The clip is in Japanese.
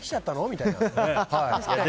みたいな。